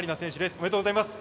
おめでとうございます。